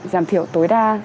giảm thiểu tối đa